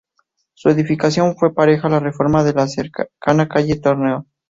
Su edificación fue pareja a la reforma de la cercana calle Torneo.